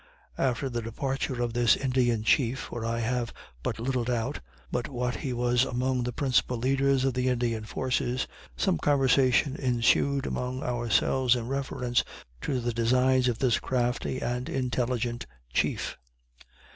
After the departure of this Indian chief, (for I have but little doubt but what he was among the principal leaders of the Indian forces,) some conversation ensued among ourselves in reference to the designs of this crafty and intelligent chief.